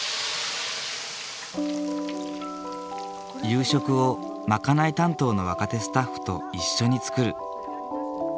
夕食を賄い担当の若手スタッフと一緒に作る。